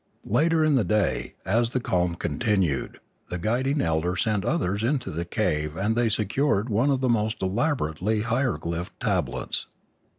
Later in the day, as the calm continued, the guiding elder sent others into the cave and they secured one of the most elaborately hieroglyphed tablets.